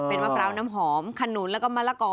เป็นมะพร้าวน้ำหอมขนุนแล้วก็มะละกอ